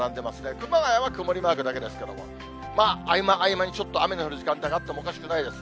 熊谷は曇りマークだけですけれども、合間合間にちょっと雨の降る時間帯があっても、おかしくないです。